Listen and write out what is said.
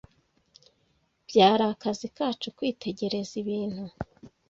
Byari akazi kacu kwitegereza Ibintu